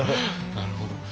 なるほど。